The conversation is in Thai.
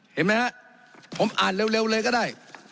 เห็นมั้ยฮะผมอ่านเร็วเลยก็ได้